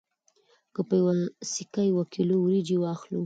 که په یوه سکه یو کیلو وریجې واخلو